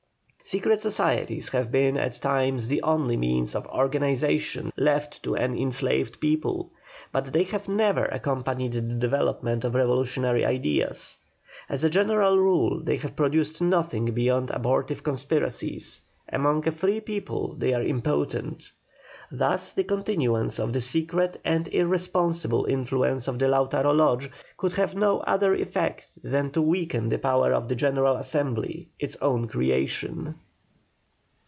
Secret societies have been at times the only means of organization left to an enslaved people, but they have never accompanied the development of revolutionary ideas; as a general rule they have produced nothing beyond abortive conspiracies; among a free people they are impotent. Thus the continuance of the secret and irresponsible influence of the Lautaro Lodge, could have no other effect than to weaken the power of the General Assembly, its own creation.